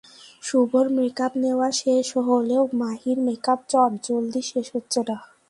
শুভর মেকআপ নেওয়া শেষ হলেও মাহির মেকআপ চটজলদি শেষ হচ্ছে না।